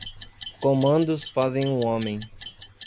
Comandos fazem um homem.